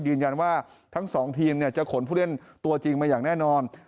ก็ยืนยันว่าทั้งสองทีมจะขนผู้เล่นตัวจริงมาอย่างแน่นอน